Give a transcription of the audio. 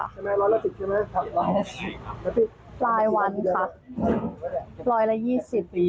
ใช่ไหมร้อยละสิบใช่ไหมครับร้อยละสิบรายวันค่ะร้อยละยี่สิบ